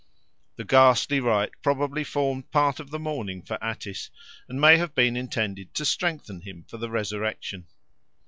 The ghastly rite probably formed part of the mourning for Attis and may have been intended to strengthen him for the resurrection.